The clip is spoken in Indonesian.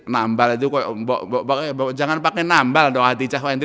nambal itu kok jangan pakai nambal dong hadijah sama hendry